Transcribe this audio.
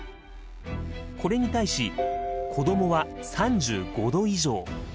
これに対し子どもは３５℃以上。